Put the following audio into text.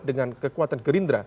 dengan kekuatan gerindra